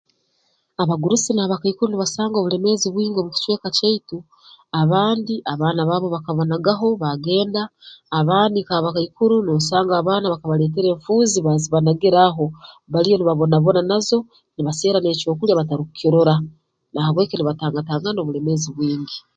Abagurusi n'abakaikuru nibasanga obulemeezi bwingi omu kicweka kyaitu abandi abaana baabo bakabanagaho bagenda abandi nk'abakaikuru noosanga abaana bakabaleetera enfuuzi baazibanagira aho baliyo nibabonabona nazo nibaserra n'ekyokulya batarukirora na habw'eki nibatangatangana obulemeezi bwingi